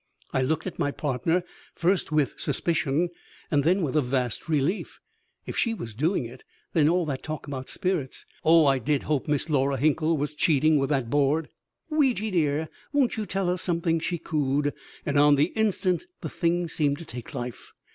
I looked at my partner, first with suspicion, and then with a vast relief. If she was doing it, then all that talk about spirits Oh, I did hope Miss Laura Hinkle was cheating with that board! "Ouija, dear, won't you tell us something?" she cooed, and on the instant the thing seemed to take life.